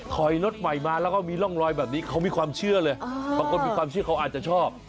ถอยรถใหม่มาแล้วก็มีร่องรอยแบบนี้เขามีความเชื่อเลยบางคนมีความเชื่อเขาอาจจะชอบ